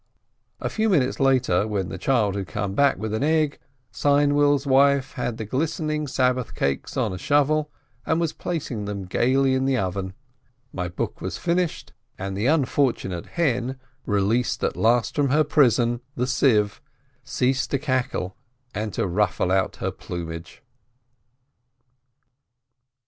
A few minutes later, when the child had come back with an egg, Seinwill's wife had the glistening Sabbath cakes on a shovel, and was placing them gaily in the oven; my book was finished, and the unfortunate hen, released at last from her prison, the sieve, ceased to cackle and to ruffle out her plumage.